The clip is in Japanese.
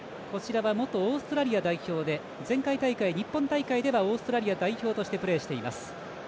元オーストラリア代表で前回大会、日本大会ではオーストラリア代表としてプレーしています。